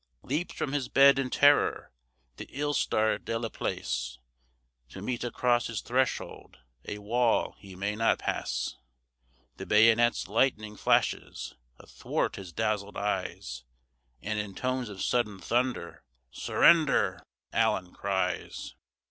Leaps from his bed in terror the ill starred Delaplace, To meet across his threshold a wall he may not pass! The bayonets' lightning flashes athwart his dazzled eyes, And, in tones of sudden thunder, "Surrender!" Allen cries.